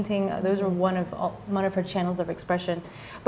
itu adalah salah satu channel ekspresinya